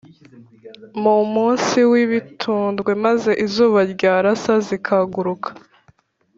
mu munsi w’ibitundwe maze izuba ryarasa zikaguruka